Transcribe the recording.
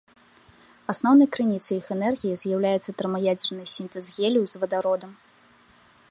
Асноўнай крыніцай іх энергіі з'яўляецца тэрмаядзерны сінтэз гелію з вадародам.